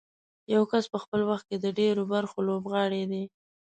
یو کس په خپل وخت کې د ډېرو برخو لوبغاړی دی.